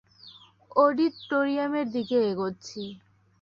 অডিটোরিয়ামের দিকে এগোচ্ছি।